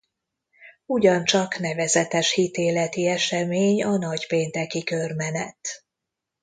Ugyancsak nevezetes hitéleti esemény a nagypénteki körmenet.